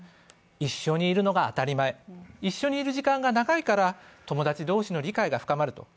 一緒にいるのが当たり前一緒にいる時間が長いから友達同士の理解が深まると。